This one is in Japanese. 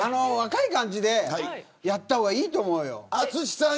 若い感じでやった方がいいと思うよ。